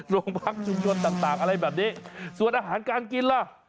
โรงพักชุมชนต่างอะไรแบบนี้ส่วนอาหารการกินล่ะ